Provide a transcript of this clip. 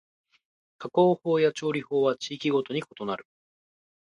加工法や調理法は地域ごとに異なる